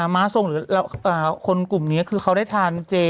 ม้าทรงหรือคนกลุ่มนี้คือเขาได้ทานเจ